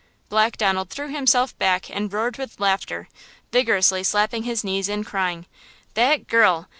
Black Donald threw himself back and roared with laughter, vigorously slapping his knees and crying: "That girl!